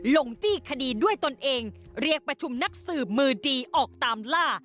จี้คดีด้วยตนเองเรียกประชุมนักสืบมือดีออกตามล่า